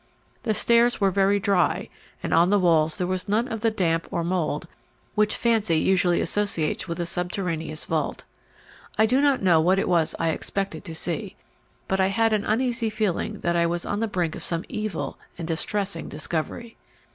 The stairs were very dry, and on the walls there was none of the damp or mould which fancy usually associates with a subterraneous vault. I do not know what it was I expected to see, but I had an uneasy feeling that I was on the brink of some evil and distressing discovery.